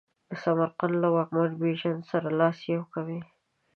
د سمرقند له واکمن بیژن سره لاس یو کوي.